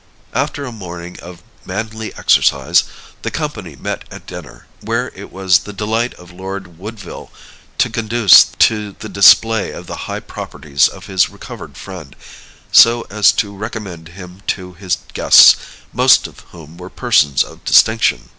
After a morning of manly exercise, the company met at dinner, where it was the delight of Lord Woodville to conduce to the display of the high properties of his recovered friend, so as to recommend him to his guests, most of whom were persons of distinction.